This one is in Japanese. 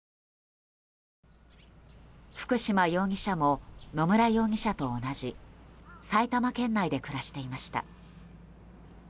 福島容疑者も野村容疑者と同じ埼玉県内で暮らしていました。